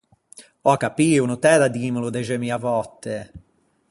Ò accapio, no t’æ da dîmelo dexemia vòtte!